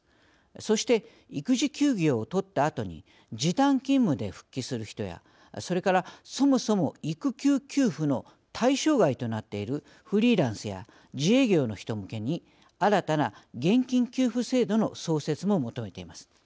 そして育児休業を取ったあとに時短勤務で復帰する人やそれからそもそも育休給付の対象外となっているフリーランスや自営業の人向けに新たな現金給付制度の創設も求めています。